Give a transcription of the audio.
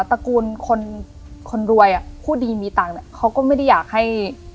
ตระกูลคนรวยอ่ะพูดดีมีตังค์เขาก็ไม่ได้อยากให้